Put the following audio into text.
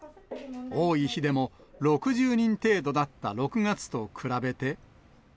多い日でも６０人程度だった６月と比べて。